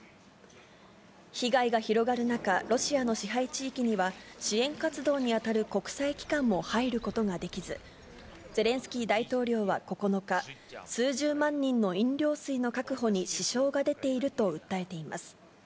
被害が広がる中、ロシアの支配地域には支援活動にあたる国際機関も入ることができず、ゼレンスキー大統領は９日、数十万人の飲料水の確保に支障が出ていると訴えています。